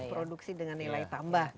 produksi dengan nilai tambah